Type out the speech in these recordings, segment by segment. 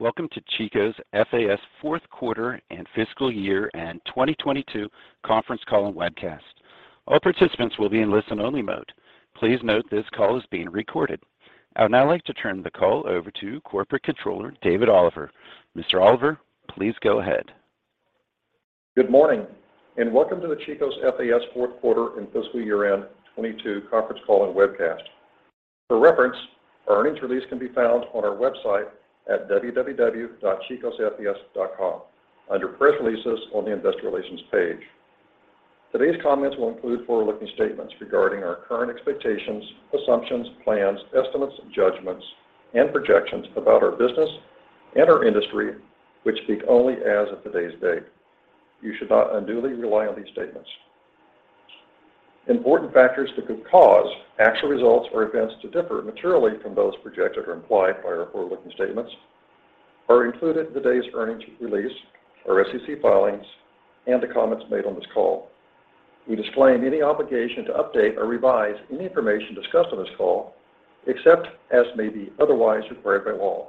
Welcome to Chico's FAS fourth quarter and fiscal year and 2022 conference call and webcast. All participants will be in listen-only mode. Please note this call is being recorded. I would now like to turn the call over to Corporate Controller, David Oliver. Mr. Oliver, please go ahead. Good morning, and welcome to the Chico's FAS fourth quarter and fiscal year-end 2022 conference call and webcast. For reference, our earnings release can be found on our website at www.chicosfas.com under Press Releases on the Investor Relations page. Today's comments will include forward-looking statements regarding our current expectations, assumptions, plans, estimates, judgments, and projections about our business and our industry, which speak only as of today's date. You should not unduly rely on these statements. Important factors that could cause actual results or events to differ materially from those projected or implied by our forward-looking statements are included in today's earnings release, our SEC filings, and the comments made on this call. We disclaim any obligation to update or revise any information discussed on this call, except as may be otherwise required by law.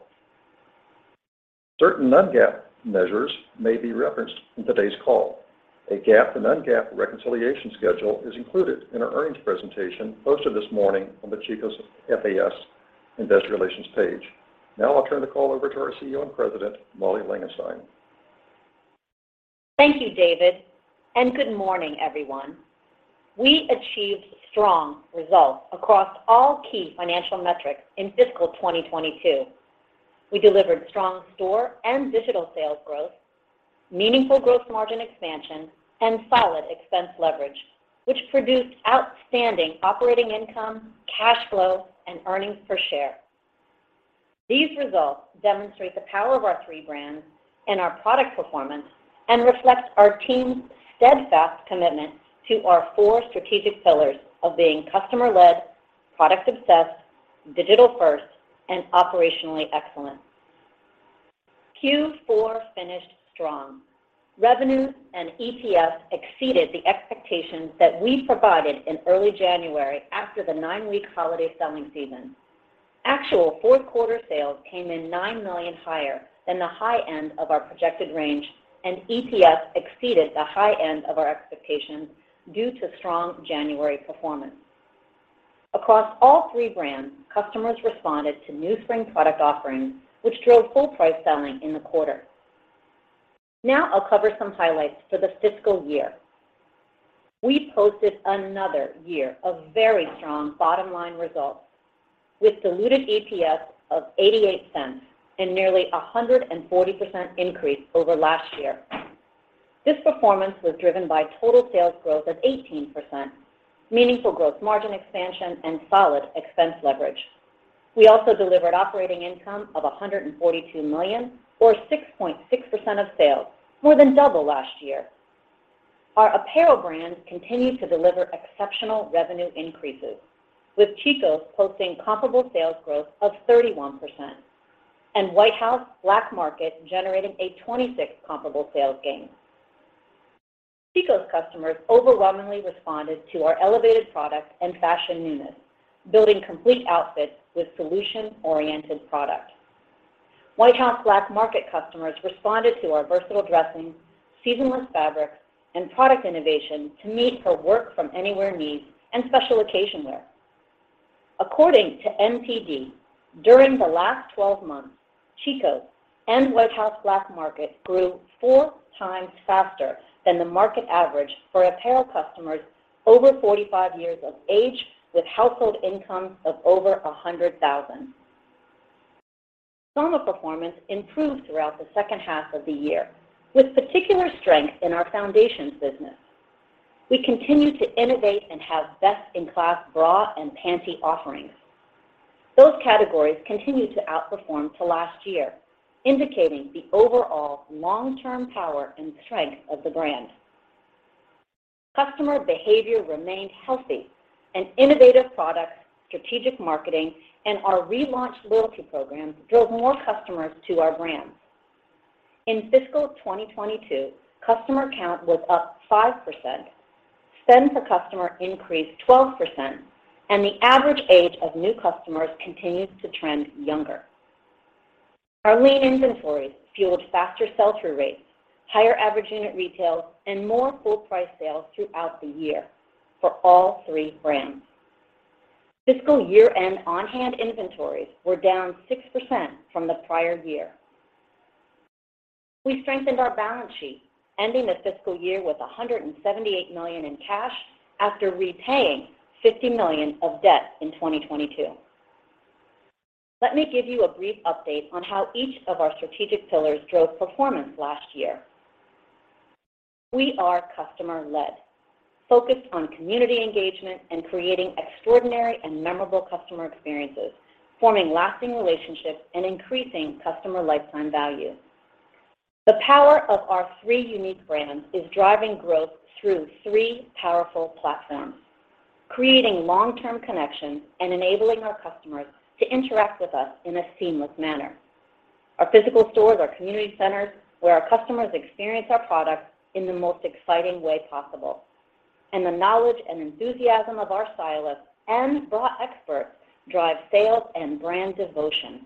Certain non-GAAP measures may be referenced in today's call. A GAAP and non-GAAP reconciliation schedule is included in our earnings presentation posted this morning on the Chico's FAS Investor Relations page. I'll turn the call over to our CEO and President, Molly Langenstein. Thank you, David. Good morning, everyone. We achieved strong results across all key financial metrics in fiscal 2022. We delivered strong store and digital sales growth, meaningful gross margin expansion, and solid expense leverage, which produced outstanding operating income, cash flow, and earnings per share. These results demonstrate the power of our three brands and our product performance and reflect our team's steadfast commitment to our four strategic pillars of being customer-led, product-obsessed, digital-first, and operationally excellent. Q4 finished strong. Revenues and EPS exceeded the expectations that we provided in early January after the nine week holiday selling season. Actual fourth quarter sales came in $9 million higher than the high end of our projected range, and EPS exceeded the high end of our expectations due to strong January performance. Across all three brands, customers responded to new spring product offerings, which drove full price selling in the quarter. Now I'll cover some highlights for the fiscal year. We posted another year of very strong bottom-line results with diluted EPS of $0.88 and nearly a 140% increase over last year. This performance was driven by total sales growth of 18%, meaningful gross margin expansion, and solid expense leverage. We also delivered operating income of $142 million or 6.6% of sales, more than double last year. Our apparel brands continued to deliver exceptional revenue increases, with Chico's posting comparable sales growth of 31% and White House Black Market generating a 26% comparable sales gain. Chico's customers overwhelmingly responded to our elevated product and fashion newness, building complete outfits with solution-oriented product. White House Black Market customers responded to our versatile dressings, seasonless fabrics, and product innovation to meet her work from anywhere needs and special occasion wear. According to NPD, during the last 12 months, Chico's and White House Black Market grew 4x faster than the market average for apparel customers over 45 years of age with household incomes of over $100,000. Soma performance improved throughout the 2nd half of the year, with particular strength in our foundations business. We continue to innovate and have best-in-class bra and panty offerings. Those categories continued to outperform to last year, indicating the overall long-term power and strength of the brand. Customer behavior remained healthy and innovative products, strategic marketing, and our relaunched loyalty program drove more customers to our brands. In fiscal 2022, customer count was up 5%, spend per customer increased 12%, and the average age of new customers continues to trend younger. Our lean inventories fueled faster sell-through rates, higher average unit retails, and more full price sales throughout the year for all three brands. Fiscal year-end on-hand inventories were down 6% from the prior year. We strengthened our balance sheet, ending the fiscal year with $178 million in cash after repaying $50 million of debt in 2022. Let me give you a brief update on how each of our strategic pillars drove performance last year. We are customer-led, focused on community engagement and creating extraordinary and memorable customer experiences, forming lasting relationships, and increasing customer lifetime value. The power of our three unique brands is driving growth through three powerful platforms, creating long-term connections, and enabling our customers to interact with us in a seamless manner. Our physical stores are community centers where our customers experience our products in the most exciting way possible. The knowledge and enthusiasm of our stylists and bra experts drive sales and brand devotion.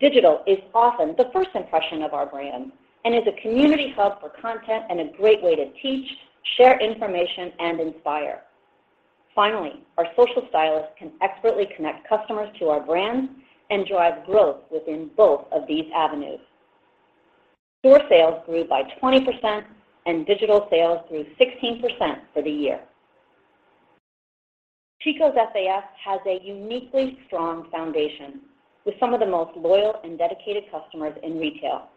Digital is often the first impression of our brand and is a community hub for content and a great way to teach, share information, and inspire. Finally, our social stylists can expertly connect customers to our brands and drive growth within both of these avenues. Store sales grew by 20% and digital sales grew 16% for the year. Chico's FAS has a uniquely strong foundation with some of the most loyal and dedicated customers in retail.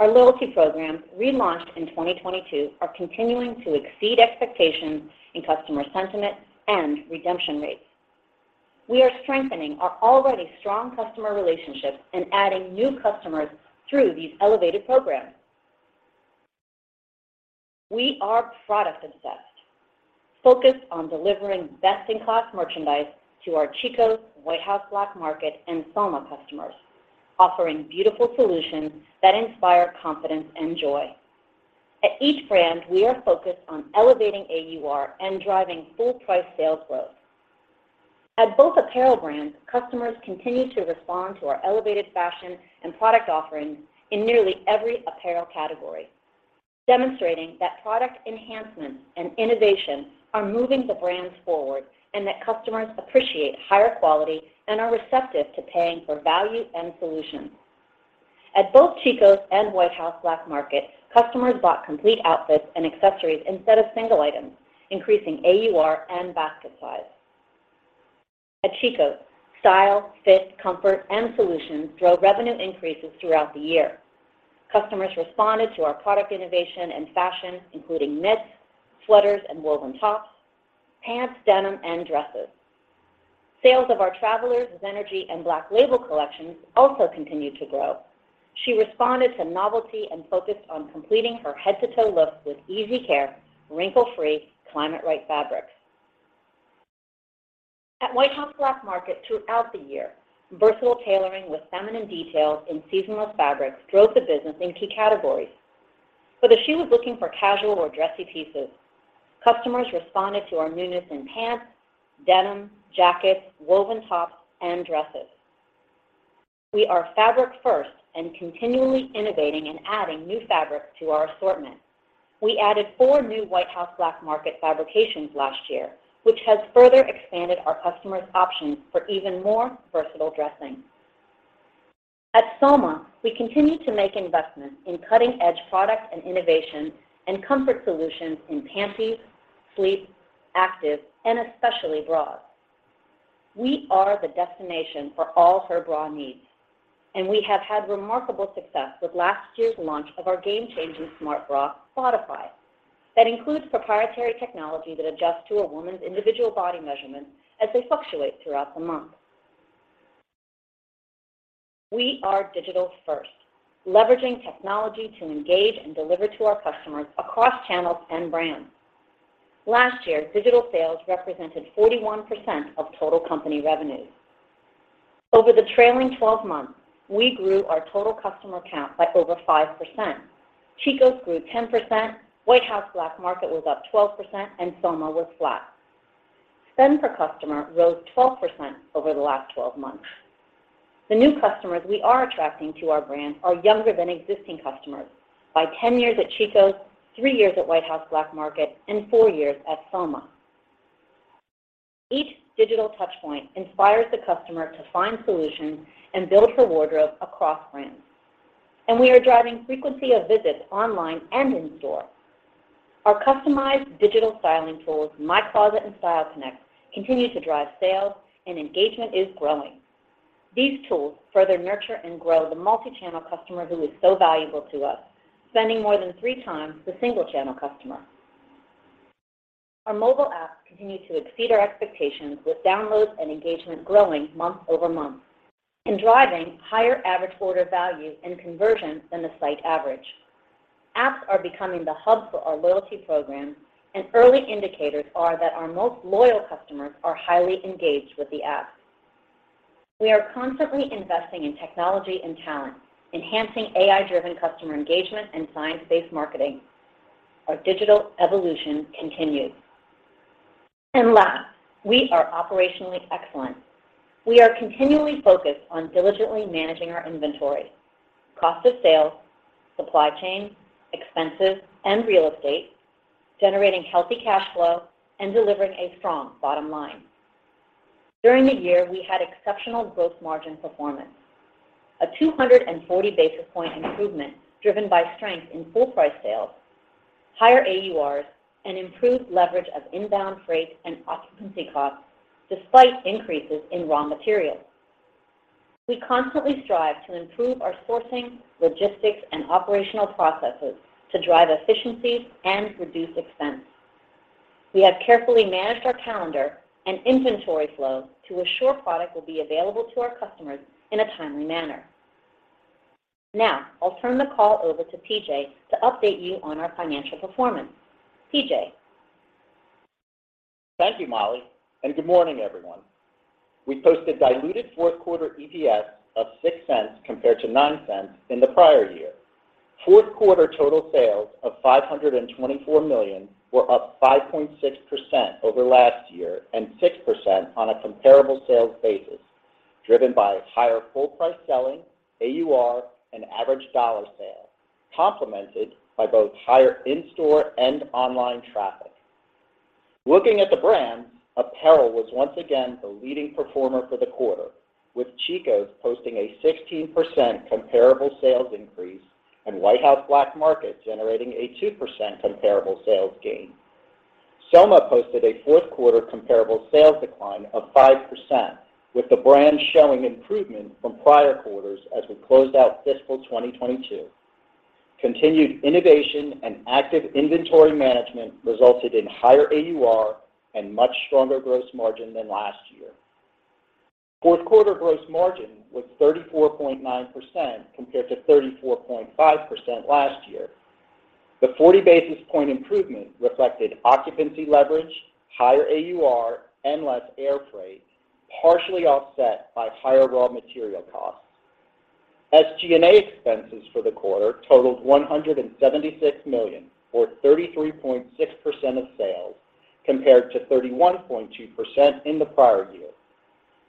Our loyalty programs, relaunched in 2022, are continuing to exceed expectations in customer sentiment and redemption rates. We are strengthening our already strong customer relationships and adding new customers through these elevated programs. We are product obsessed, focused on delivering best-in-class merchandise to our Chico's, White House Black Market, and Soma customers, offering beautiful solutions that inspire confidence and joy. At each brand, we are focused on elevating AUR and driving full price sales growth. At both apparel brands, customers continue to respond to our elevated fashion and product offerings in nearly every apparel category, demonstrating that product enhancements and innovation are moving the brands forward and that customers appreciate higher quality and are receptive to paying for value and solutions. At both Chico's and White House Black Market, customers bought complete outfits and accessories instead of single items, increasing AUR and basket size. At Chico's, style, fit, comfort, and solutions drove revenue increases throughout the year. Customers responded to our product innovation and fashion, including knits, sweaters, and woven tops, pants, denim, and dresses. Sales of our Travelers, Zenergy, and Black Label collections also continued to grow. She responded to novelty and focused on completing her head-to-toe look with easy care, wrinkle-free, climate-right fabrics. At White House Black Market throughout the year, versatile tailoring with feminine details in seasonal fabrics drove the business in key categories. Whether she was looking for casual or dressy pieces, customers responded to our newness in pants, denim, jackets, woven tops, and dresses. We are fabric first and continually innovating and adding new fabrics to our assortment. We added four new White House Black Market fabrications last year, which has further expanded our customers' options for even more versatile dressing. At Soma, we continue to make investments in cutting-edge products and innovation and comfort solutions in panties, sleep, active, and especially bras. We are the destination for all her bra needs, and we have had remarkable success with last year's launch of our game-changing smart bra, Bodify, that includes proprietary technology that adjusts to a woman's individual body measurements as they fluctuate throughout the month. We are digital first, leveraging technology to engage and deliver to our customers across channels and brands. Last year, digital sales represented 41% of total company revenue. Over the trailing 12 months, we grew our total customer count by over 5%. Chico's grew 10%, White House Black Market was up 12%, Soma was flat. Spend per customer rose 12% over the last 12 months. The new customers we are attracting to our brands are younger than existing customers by 10 years at Chico's, three years at White House Black Market, and four years at Soma. Each digital touchpoint inspires the customer to find solutions and build her wardrobe across brands. We are driving frequency of visits online and in-store. Our customized digital styling tools, MyCloset and StyleConnect, continue to drive sales, and engagement is growing. These tools further nurture and grow the multi-channel customer who is so valuable to us, spending more than 3x the single-channel customer. Our mobile apps continue to exceed our expectations with downloads and engagement growing month-over-month and driving higher average order value and conversion than the site average. Apps are becoming the hub for our loyalty program, and early indicators are that our most loyal customers are highly engaged with the apps. We are constantly investing in technology and talent, enhancing AI-driven customer engagement and science-based marketing. Our digital evolution continues. Last, we are operationally excellent. We are continually focused on diligently managing our inventory, cost of sales, supply chain, expenses, and real estate, generating healthy cash flow and delivering a strong bottom line. During the year, we had exceptional growth margin performance, a 240 basis point improvement driven by strength in full price sales, higher AURs, and improved leverage of inbound freight and occupancy costs despite increases in raw materials. We constantly strive to improve our sourcing, logistics, and operational processes to drive efficiencies and reduce expense. We have carefully managed our calendar and inventory flow to assure product will be available to our customers in a timely manner. Now, I'll turn the call over to PJ to update you on our financial performance. PJ? Thank you, Molly. Good morning, everyone. We posted diluted fourth quarter EPS of $0.06 compared to $0.09 in the prior year. Fourth quarter total sales of $524 million were up 5.6% over last year and 6% on a comparable sales basis, driven by higher full price selling, AUR, and average dollar sale, complemented by both higher in-store and online traffic. Looking at the brands, apparel was once again the leading performer for the quarter, with Chico's posting a 16% comparable sales increase and White House Black Market generating a 2% comparable sales gain. Soma posted a fourth quarter comparable sales decline of 5%, with the brand showing improvement from prior quarters as we closed out fiscal 2022. Continued innovation and active inventory management resulted in higher AUR and much stronger gross margin than last year. Fourth quarter gross margin was 34.9% compared to 34.5% last year. The 40 basis point improvement reflected occupancy leverage, higher AUR, and less air freight, partially offset by higher raw material costs. SG&A expenses for the quarter totaled $176 million, or 33.6% of sales, compared to 31.2% in the prior year.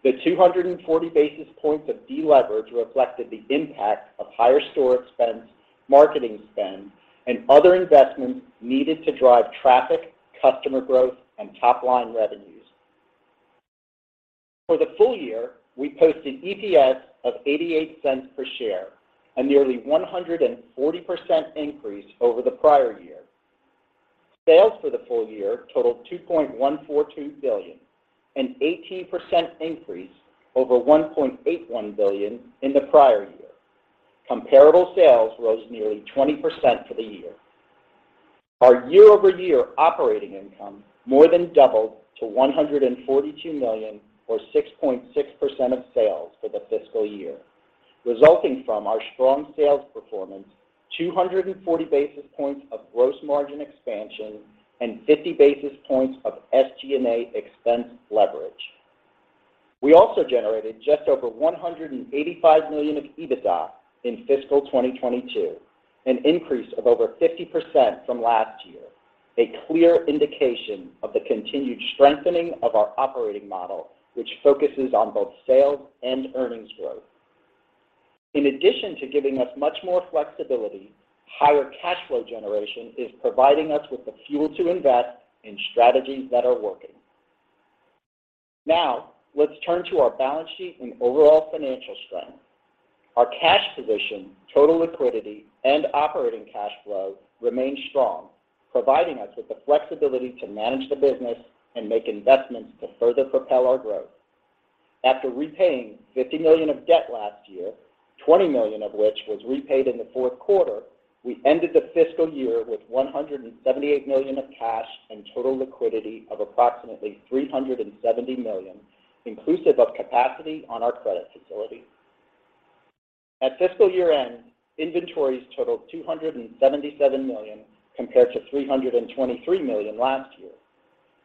The 240 basis points of deleverage reflected the impact of higher store expense, marketing spend, and other investments needed to drive traffic, customer growth, and top line revenues. For the full-year, we posted EPS of $0.88 per share, a nearly 140% increase over the prior year. Sales for the full-year totaled $2.142 billion, an 18% increase over $1.81 billion in the prior year. Comparable sales rose nearly 20% for the year. Our year-over-year operating income more than doubled to $142 million, or 6.6% of sales for the fiscal year, resulting from our strong sales performance, 240 basis points of gross margin expansion and 50 basis points of SG&A expense leverage. We also generated just over $185 million of EBITDA in fiscal 2022, an increase of over 50% from last year, a clear indication of the continued strengthening of our operating model, which focuses on both sales and earnings growth. In addition to giving us much more flexibility, higher cash flow generation is providing us with the fuel to invest in strategies that are working. Let's turn to our balance sheet and overall financial strength. Our cash position, total liquidity, and operating cash flow remain strong, providing us with the flexibility to manage the business and make investments to further propel our growth. After repaying $50 million of debt last year, $20 million of which was repaid in the fourth quarter, we ended the fiscal year with $178 million of cash and total liquidity of approximately $370 million, inclusive of capacity on our credit facility. At fiscal year-end, inventories totaled $277 million, compared to $323 million last year.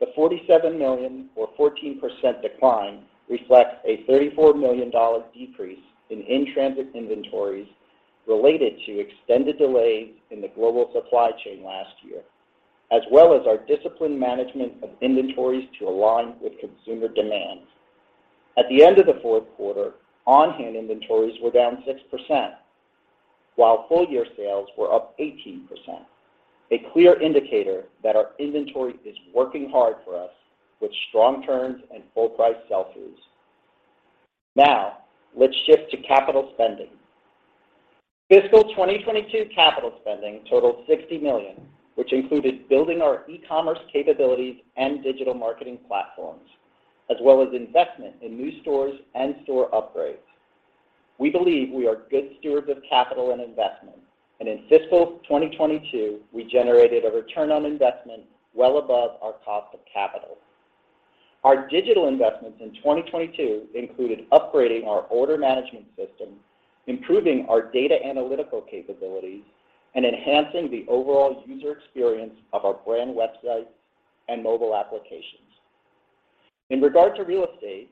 The $47 million or 14% decline reflects a $34 million dollars decrease in in-transit inventories related to extended delays in the global supply chain last year, as well as our disciplined management of inventories to align with consumer demand. At the end of the fourth quarter, on-hand inventories were down 6%, while full-year sales were up 18%, a clear indicator that our inventory is working hard for us with strong turns and full price sell-throughs. Let's shift to capital spending. Fiscal 2022 capital spending totaled $60 million, which included building our e-commerce capabilities and digital marketing platforms, as well as investment in new stores and store upgrades. We believe we are good stewards of capital and investment, and in fiscal 2022, we generated a return on investment well above our cost of capital. Our digital investments in 2022 included upgrading our order management system, improving our data analytical capabilities, and enhancing the overall user experience of our brand websites and mobile applications. In regard to real estate,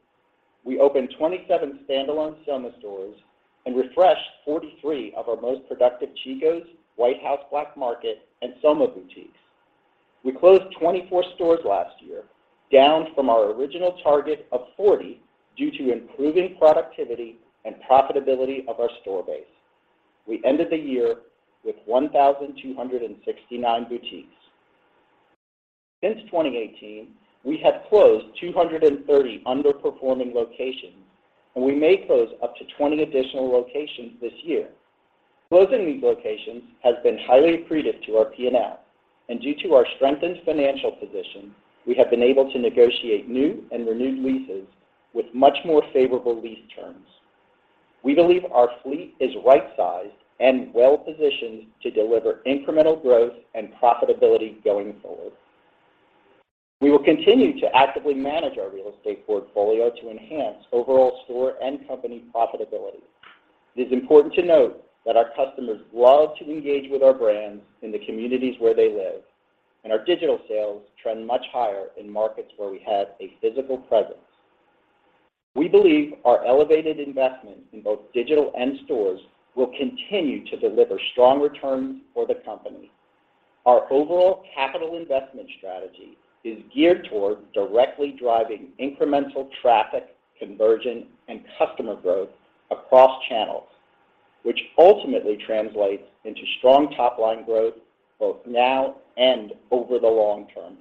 we opened 27 stand-alone Soma stores and refreshed 43 of our most productive Chico's, White House Black Market, and Soma boutiques. We closed 24 stores last year, down from our original target of 40 due to improving productivity and profitability of our store base. We ended the year with 1,269 boutiques. Since 2018, we have closed 230 underperforming locations, and we may close up to 20 additional locations this year. Closing these locations has been highly accretive to our P&L, and due to our strengthened financial position, we have been able to negotiate new and renewed leases with much more favorable lease terms. We believe our fleet is right-sized and well-positioned to deliver incremental growth and profitability going forward. We will continue to actively manage our real estate portfolio to enhance overall store and company profitability. It is important to note that our customers love to engage with our brands in the communities where they live, and our digital sales trend much higher in markets where we have a physical presence. We believe our elevated investment in both digital and stores will continue to deliver strong returns for the company. Our overall capital investment strategy is geared toward directly driving incremental traffic, conversion, and customer growth across channels, which ultimately translates into strong top line growth both now and over the long term.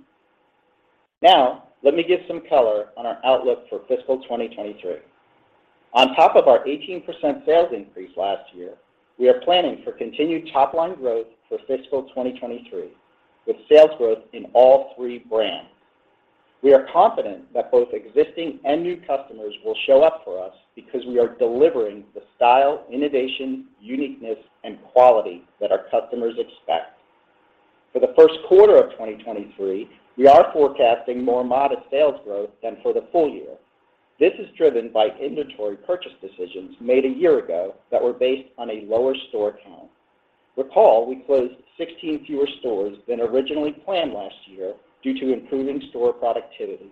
Now let me give some color on our outlook for fiscal 2023. On top of our 18% sales increase last year, we are planning for continued top line growth for fiscal 2023 with sales growth in all three brands. We are confident that both existing and new customers will show up for us because we are delivering the style, innovation, uniqueness, and quality that our customers expect. For the first quarter of 2023, we are forecasting more modest sales growth than for the full-year. This is driven by inventory purchase decisions made a year ago that were based on a lower store count. Recall, we closed 16 fewer stores than originally planned last year due to improving store productivity,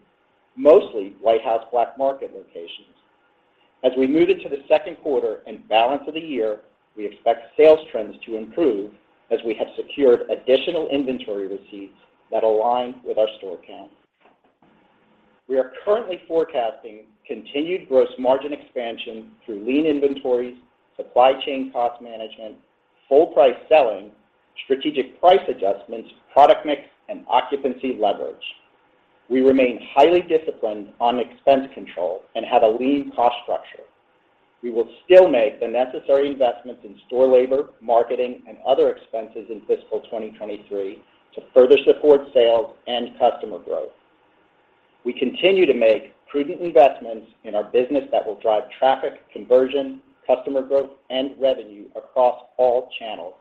mostly White House Black Market locations. As we move into the second quarter and balance of the year, we expect sales trends to improve as we have secured additional inventory receipts that align with our store count. We are currently forecasting continued gross margin expansion through lean inventories, supply chain cost management, full price selling, strategic price adjustments, product mix, and occupancy leverage. We remain highly disciplined on expense control and have a lean cost structure. We will still make the necessary investments in store labor, marketing, and other expenses in fiscal 2023 to further support sales and customer growth. We continue to make prudent investments in our business that will drive traffic, conversion, customer growth, and revenue across all channels.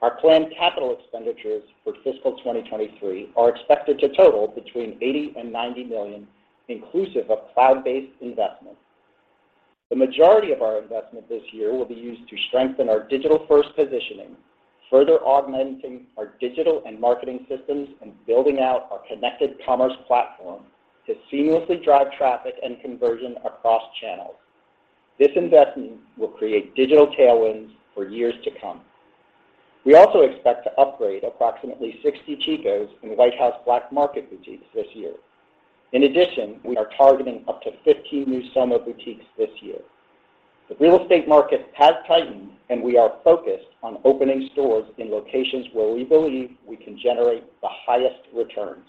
Our planned capital expenditures for fiscal 2023 are expected to total between $80 million and $90 million, inclusive of cloud-based investments. The majority of our investment this year will be used to strengthen our digital-first positioning, further augmenting our digital and marketing systems, and building out our connected commerce platform to seamlessly drive traffic and conversion across channels. This investment will create digital tailwinds for years to come. We also expect to upgrade approximately 60 Chico's and White House Black Market boutiques this year. In addition, we are targeting up to 15 new Soma boutiques this year. The real estate market has tightened, and we are focused on opening stores in locations where we believe we can generate the highest returns.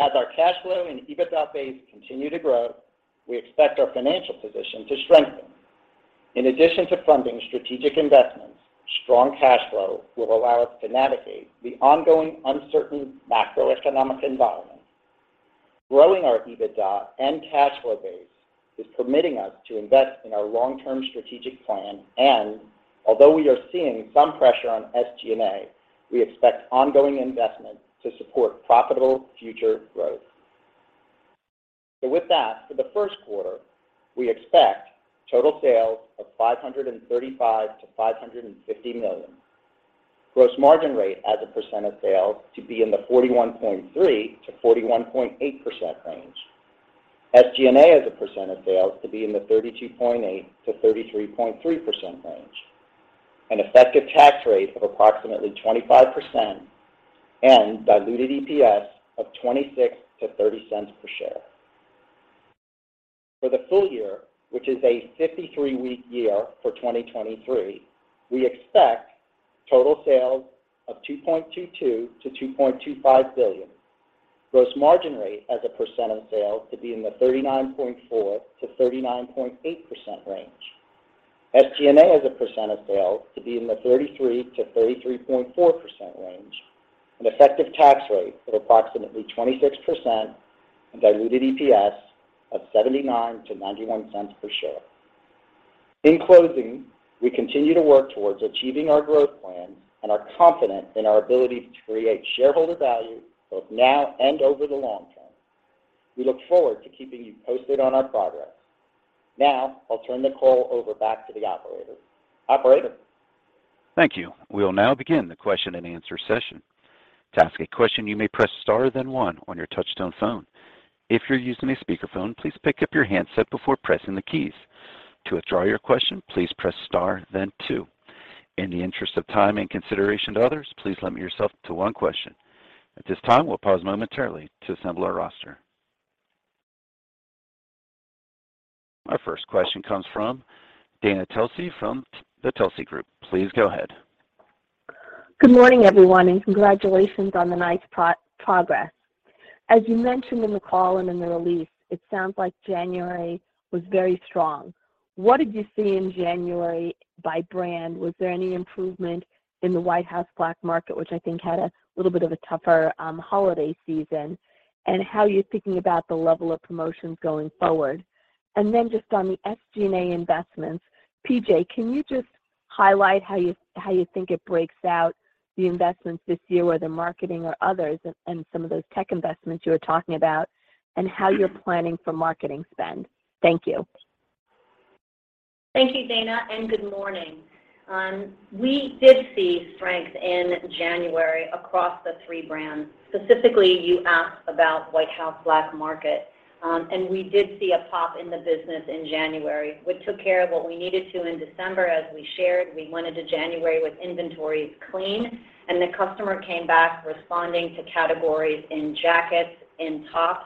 As our cash flow and EBITDA base continue to grow, we expect our financial position to strengthen. In addition to funding strategic investments, strong cash flow will allow us to navigate the ongoing uncertain macroeconomic environment. Growing our EBITDA and cash flow base is permitting us to invest in our long-term strategic plan. Although we are seeing some pressure on SG&A, we expect ongoing investment to support profitable future growth. With that, for the first quarter, we expect total sales of $535 million-$550 million, gross margin rate as a percent of sales to be in the 41.3%-41.8% range, SG&A as a percent of sales to be in the 32.8%-33.3% range, an effective tax rate of approximately 25% and diluted EPS of $0.26-$0.30 per share. For the full-year, which is a 53 week year for 2023, we expect total sales of $2.22 billion-$2.25 billion, gross margin rate as a percent of sales to be in the 39.4%-39.8% range, SG&A as a percent of sales to be in the 33%-33.4% range, an effective tax rate of approximately 26% and diluted EPS of $0.79-$0.91 per share. In closing, we continue to work towards achieving our growth plans and are confident in our ability to create shareholder value both now and over the long term. We look forward to keeping you posted on our progress. I'll turn the call over back to the operator. Operator? Thank you. We'll now begin the question and answer session. To ask a question, you may press star then one on your touchtone phone. If you're using a speakerphone, please pick up your handset before pressing the keys. To withdraw your question, please press star then two. In the interest of time and consideration to others, please limit yourself to one question. At this time, we'll pause momentarily to assemble our roster. Our first question comes from Dana Telsey from the Telsey Advisory Group. Please go ahead. Good morning, everyone. Congratulations on the nice progress. As you mentioned in the call and in the release, it sounds like January was very strong. What did you see in January by brand? Was there any improvement in the White House Black Market, which I think had a little bit of a tougher holiday season? How are you thinking about the level of promotions going forward? Just on the SG&A investments, PJ, can you just highlight how you think it breaks out the investments this year, whether marketing or others, and some of those tech investments you were talking about, and how you're planning for marketing spend? Thank you. Thank you, Dana, and good morning. We did see strength in January across the three brands. Specifically, you asked about White House Black Market, we did see a pop in the business in January. We took care of what we needed to in December. As we shared, we went into January with inventories clean, and the customer came back responding to categories in jackets and tops,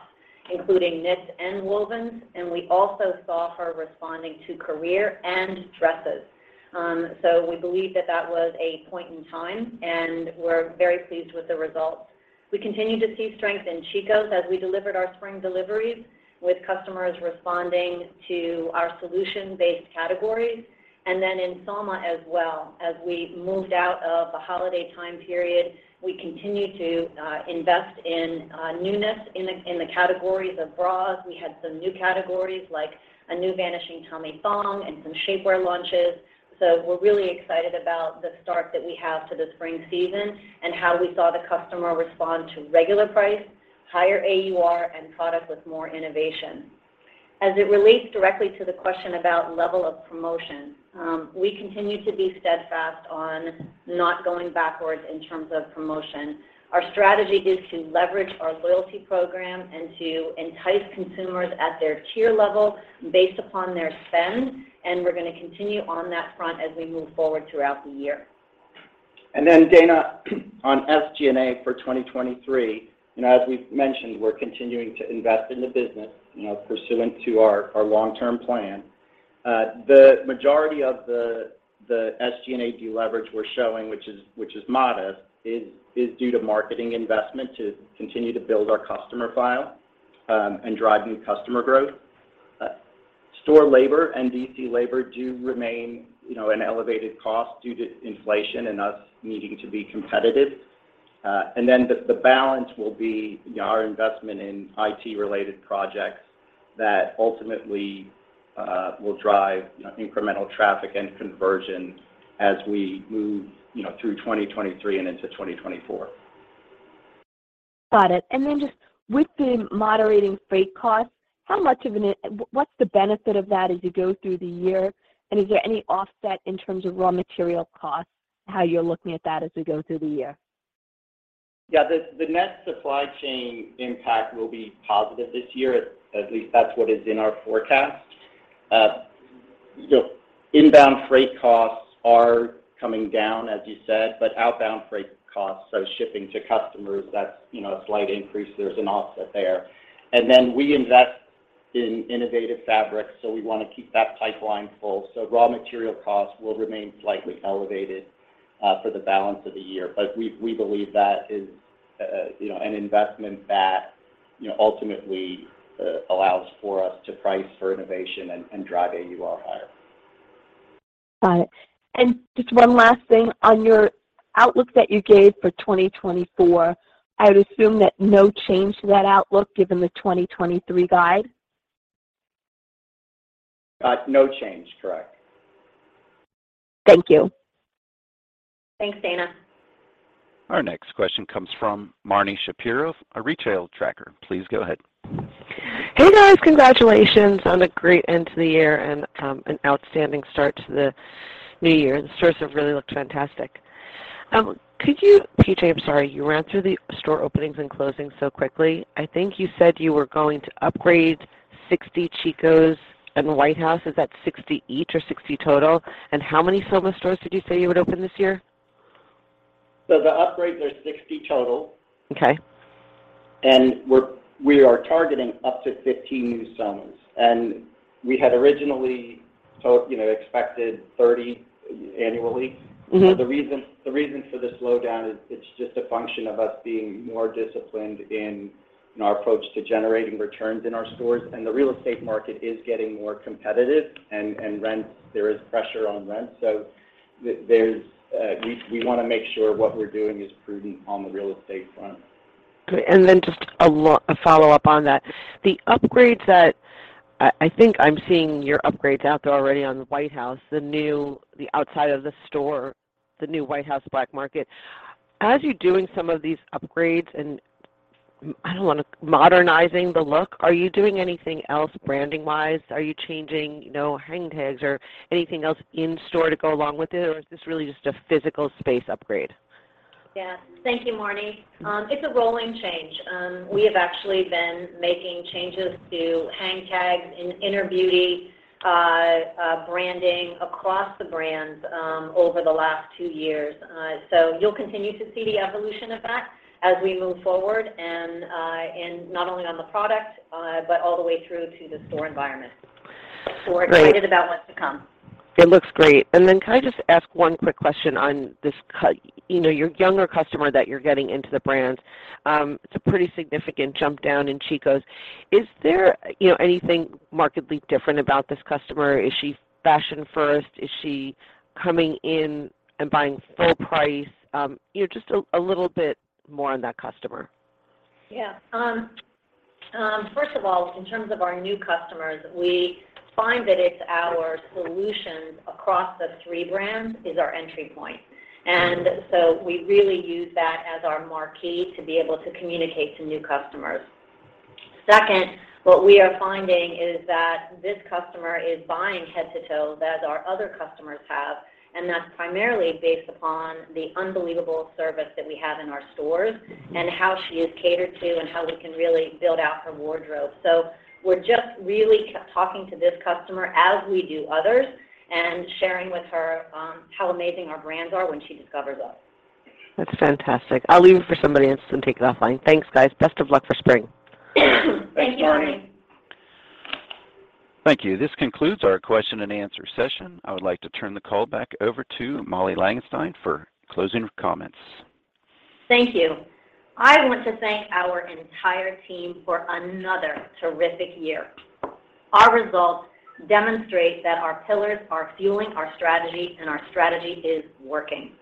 including knits and wovens, and we also saw her responding to career and dresses. We believe that that was a point in time, and we're very pleased with the results. We continue to see strength in Chico's as we delivered our spring deliveries with customers responding to our solution-based categories. In Soma as well, as we moved out of the holiday time period, we continued to invest in newness in the categories of bras. We had some new categories, like a new vanishing tummy thong and some shapewear launches. We're really excited about the start that we have to the spring season and how we saw the customer respond to regular price, higher AUR, and product with more innovation. As it relates directly to the question about level of promotion, we continue to be steadfast on not going backwards in terms of promotion. Our strategy is to leverage our loyalty program and to entice consumers at their tier level based upon their spend, and we're gonna continue on that front as we move forward throughout the year. Dana, on SG&A for 2023, you know, as we've mentioned, we're continuing to invest in the business, you know, pursuant to our long-term plan. The majority of the SG&A deleverage we're showing, which is modest, is due to marketing investment to continue to build our customer file and drive new customer growth. Store labor and DC labor do remain, you know, an elevated cost due to inflation and us needing to be competitive. The balance will be, you know, our investment in IT related projects that ultimately will drive, you know, incremental traffic and conversion as we move, you know, through 2023 and into 2024. Got it. Then just with the moderating freight costs, what's the benefit of that as you go through the year? Is there any offset in terms of raw material costs, how you're looking at that as we go through the year? Yeah. The, the net supply chain impact will be positive this year. At least that's what is in our forecast. you know, inbound freight costs are coming down, as you said, but outbound freight costs, so shipping to customers, that's, you know, a slight increase. There's an offset there. Then we invest in innovative fabrics, so we wanna keep that pipeline full. Raw material costs will remain slightly elevated, for the balance of the year. We believe that is, you know, an investment that, you know, ultimately, allows for us to price for innovation and drive AUR higher. Got it. Just one last thing. On your outlook that you gave for 2024, I would assume that no change to that outlook given the 2023 guide? No change. Correct. Thank you. Thanks, Dana. Our next question comes from Marni Shapiro of The Retail Tracker. Please go ahead. Hey, guys. Congratulations on a great end to the year and an outstanding start to the new year. The stores have really looked fantastic. PJ, I'm sorry. You ran through the store openings and closings so quickly. I think you said you were going to upgrade 60 Chico's and White House. Is that 60 each or 60 total? How many Soma stores did you say you would open this year? The upgrades are 60 total. Okay. We are targeting up to 15 new Soma. We had originally You know, expected 30 annually. Mm-hmm. The reason for the slowdown is it's just a function of us being more disciplined in our approach to generating returns in our stores. The real estate market is getting more competitive and rents, there is pressure on rents. There's. We wanna make sure what we're doing is prudent on the real estate front. Great. Just a follow-up on that. The upgrades that I think I'm seeing your upgrades out there already on the White House, the outside of the store, the new White House Black Market. As you're doing some of these upgrades and I don't wanna modernizing the look, are you doing anything else branding-wise? Are you changing, you know, hang tags or anything else in-store to go along with it, or is this really just a physical space upgrade? Yeah. Thank you, Marni. It's a rolling change. We have actually been making changes to hang tags in inner beauty, branding across the brands, over the last two years. You'll continue to see the evolution of that as we move forward and not only on the product, but all the way through to the store environment. Great. We're excited about what's to come. It looks great. Can I just ask one quick question on this you know, your younger customer that you're getting into the brands, it's a pretty significant jump down in Chico's. Is there, you know, anything markedly different about this customer? Is she fashion first? Is she coming in and buying full price? you know, just a little bit more on that customer. Yeah. First of all, in terms of our new customers, we find that it's our solutions across the three brands is our entry point. We really use that as our marquee to be able to communicate to new customers. Second, what we are finding is that this customer is buying head to toe as our other customers have, and that's primarily based upon the unbelievable service that we have in our stores and how she is catered to and how we can really build out her wardrobe. We're just really talking to this customer as we do others and sharing with her how amazing our brands are when she discovers us. That's fantastic. I'll leave it for somebody else to take it offline. Thanks, guys. Best of luck for spring. Thank you, Marni. Thanks, Marni. Thank you. This concludes our question and answer session. I would like to turn the call back over to Molly Langenstein for closing comments. Thank you. I want to thank our entire team for another terrific year. Our results demonstrate that our pillars are fueling our strategy, and our strategy is working.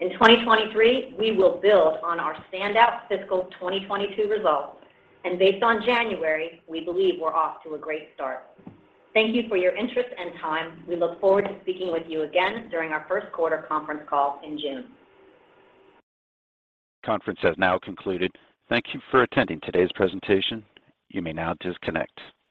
In 2023, we will build on our standout fiscal 2022 results, and based on January, we believe we're off to a great start. Thank you for your interest and time. We look forward to speaking with you again during our first quarter conference call in June. Conference has now concluded. Thank you for attending today's presentation. You may now disconnect.